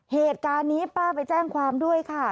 เหตุการณ์นี้ป้าไปแจ้งความด้วยค่ะ